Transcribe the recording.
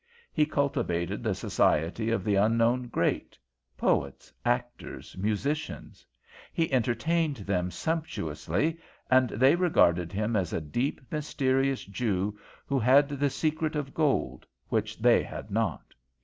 He cultivated the society of the unknown great: poets, actors, musicians. He entertained them sumptuously, and they regarded him as a deep, mysterious Jew who had the secret of gold, which they had not.